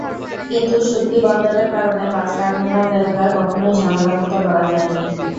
কিন্তু শুঁটকি বন্দরের কারণে বাস টার্মিনাল এলাকা কখনোই ঝামেলামুক্ত করা যায়নি।